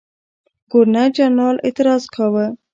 ګورنرجنرال اعتراض کاوه.